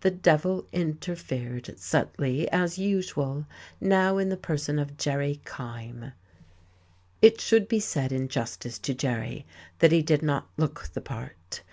The devil interfered subtly, as usual now in the person of Jerry Kyme. It should be said in justice to Jerry that he did not look the part.